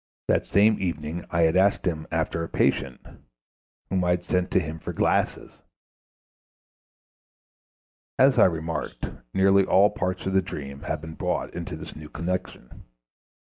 That same evening I had asked him after a patient whom I had sent to him for glasses. As I remarked, nearly all parts of the dream have been brought into this new connection.